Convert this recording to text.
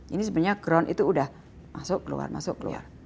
ini sebenarnya ground itu udah masuk keluar masuk keluar